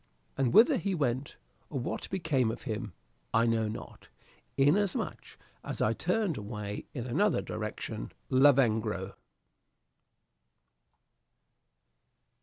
And whither he went, or what became of him, I know not, inasmuch as I turned away in another direction. "Lavengro."